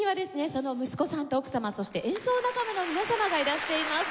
その息子さんと奥様そして演奏仲間の皆様がいらしています。